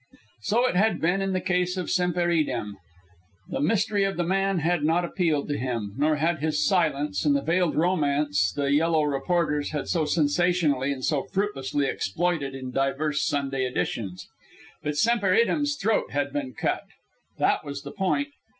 So it had been in the case of Semper Idem. The mystery of the man had not appealed to him, nor had his silence and the veiled romance which the yellow reporters had so sensationally and so fruitlessly exploited in divers Sunday editions. But Semper Idem's throat had been cut. That was the point.